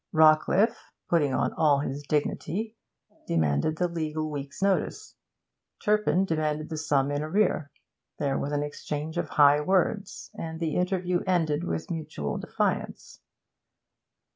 Rawcliffe, putting on all his dignity, demanded the legal week's notice; Turpin demanded the sum in arrear. There was an exchange of high words, and the interview ended with mutual defiance.